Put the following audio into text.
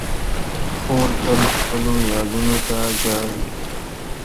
خور تل خپلو یادونو ته ژاړي.